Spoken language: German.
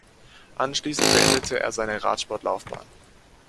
Anschließend beendete er seine Radsport-Laufbahn.